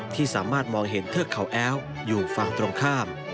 ที่สามารถมองเห็นเทือกเขาแอ้วอยู่ฝั่งตรงข้าม